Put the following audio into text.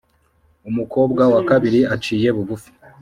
Umukobwa wa kabiri aciye bugufi.